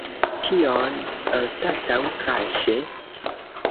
Kion anstataŭ kaŝe?